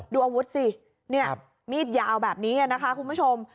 ดูอาวุธสิเนี่ยมีดยาวแบบนี้นะคะคุณผู้ชม